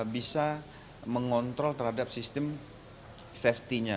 bisa mengontrol terhadap sistem safety nya